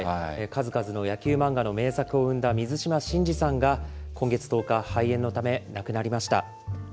数々の野球漫画の名作を生んだ水島新司さんが今月１０日、肺炎のため亡くなりました。